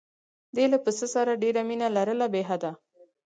ده له پسه سره ډېره مینه لرله بې حده.